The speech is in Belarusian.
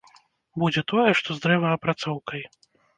Будзе тое, што з дрэваапрацоўкай.